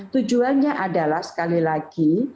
tujuannya adalah sekali lagi